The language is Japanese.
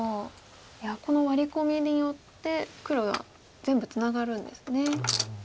いやこのワリ込みによって黒が全部ツナがるんですね。